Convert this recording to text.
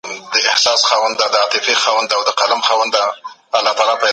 حکومت باید د خلګو غوښتنو ته غوږ ونیسي.